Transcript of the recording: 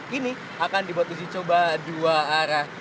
kini akan dibuat uji coba dua arah